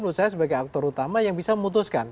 menurut saya sebagai aktor utama yang bisa memutuskan